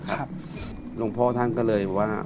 หลวงพ่อท่านก็เลยบอกว่า